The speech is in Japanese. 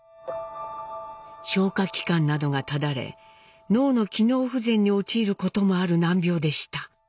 消化器官などがただれ脳の機能不全に陥ることもある難病でした。